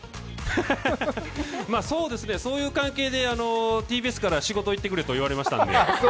そうですね、そういう関係でＴＢＳから仕事行ってくれと言われたんで。